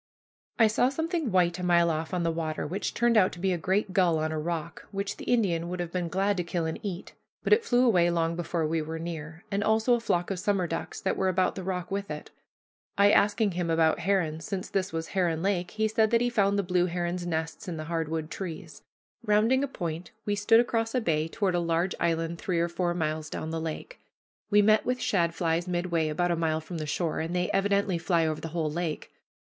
I saw something white a mile off on the water, which turned out to be a great gull on a rock, which the Indian would have been glad to kill and eat. But it flew away long before we were near; and also a flock of summer ducks that were about the rock with it. I asking him about herons, since this was Heron Lake, he said that he found the blue heron's nests in the hard wood trees. Rounding a point, we stood across a bay toward a large island three or four miles down the lake. We met with shadflies midway, about a mile from the shore, and they evidently fly over the whole lake.